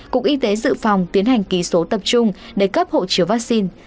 cục y tế dự phòng tiến hành ký số tập trung để cấp hộ chiếu vaccine